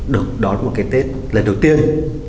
được đón một cái tết lần đầu tiên